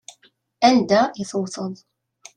Anda i tewteḍ.